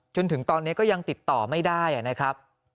จนถึงตอนนี้ก็ยังติดต่อไม่ได้นะครับ